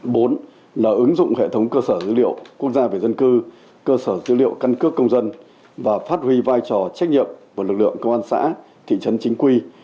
bốn là ứng dụng hệ thống cơ sở dữ liệu quốc gia về dân cư cơ sở dữ liệu căn cước công dân và phát huy vai trò trách nhiệm của lực lượng công an xã thị trấn chính quy